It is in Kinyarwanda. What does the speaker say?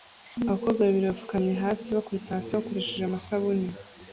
Abakobwa babiri bapfukamye hasi bakubita hasi bakoresheje amasabune